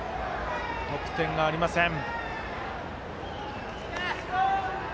得点がありません。